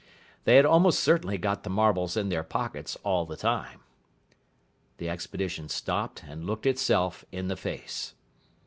They had almost certainly got the marbles in their pockets all the time. The expedition stopped, and looked itself in the face.